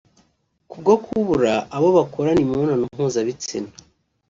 Kubwo kubura abo bakorana imibonano mpuzabitsina